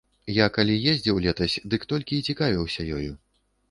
Я, калі з'ездзіў летась, дык толькі і цікавіўся ёю.